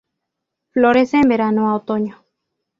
Florece en verano a otoño.